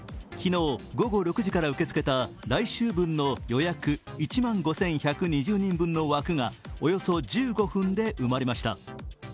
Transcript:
昨日午後６時から受け付けた来週分の予約、１万５１２０人分の枠がおよそ１５分で埋まりました。